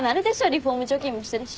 リフォーム貯金もしてるし。